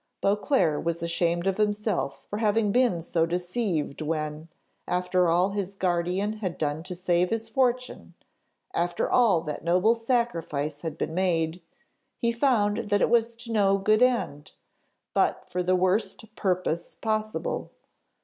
Beauclerc was ashamed of himself for having been so deceived when, after all his guardian had done to save his fortune, after all that noble sacrifice had been made, he found that it was to no good end, but for the worst purpose possible.